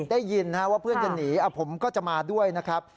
ได้ยินว่าเพื่อนจะหนีผมก็จะมาด้วยนะครับ